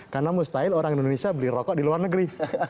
karena mustahil orang indonesia beli rokok di luar negeri